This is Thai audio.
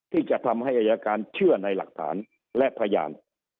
ที่จะทำให้อายการเชื่อในหลักฐานและพยาน